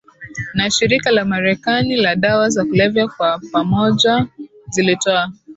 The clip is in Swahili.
na Shirika la Marekani la Dawa za kulevya kwa pamoja zilitoa